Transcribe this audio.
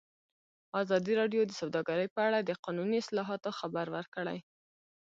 ازادي راډیو د سوداګري په اړه د قانوني اصلاحاتو خبر ورکړی.